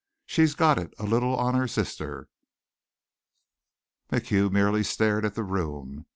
She's got it a little on her sister." MacHugh merely stared at the room.